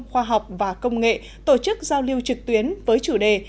khoa học và công nghệ tổ chức giao lưu trực tuyến với chủ đề